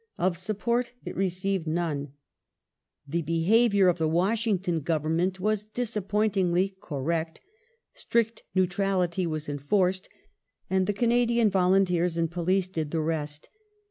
Of support it received none. The behaviour of the Washington government was disappointingly ''correct"; strict neutrality was enforced, and the Canadian volunteei s and police did the rest.